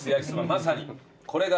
まさにこれが。